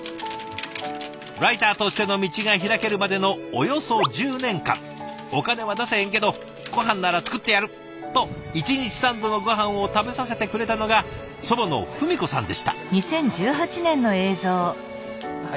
ライターとしての道が開けるまでのおよそ１０年間「お金は出せへんけどごはんなら作ってやる」と１日３度のごはんを食べさせてくれたのが祖母の文子さんでした。